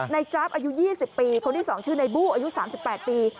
จ๊าบอายุ๒๐ปีคนที่๒ชื่อในบู้อายุ๓๘ปี